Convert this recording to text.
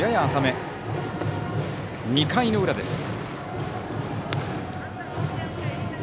２回の裏です。